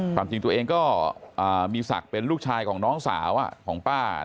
ความจริงตัวเองก็มีศักดิ์เป็นลูกชายของน้องสาวของป้า